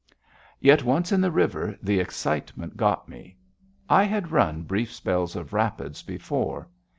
Yet once in the river, the excitement got me. I had run brief spells of rapids before.